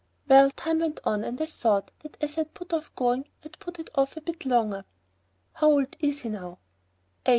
"Well, time went on and I thought that as I'd put off going I'd put it off a bit longer." "How old is he now?"